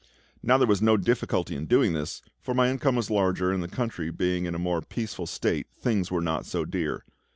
Now there was no difficulty in doing this, for my income was larger, and the country being in a more peaceful state, things were not so dear.